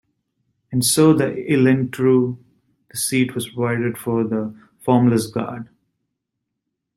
And so the Elunetru, the seat was provided for the Formless God.